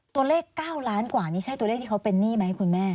ตัวเลข๙ล้านกว่านี่ใช่ตัวเลขที่เขาเป็นหนี้ไหมคุณแม่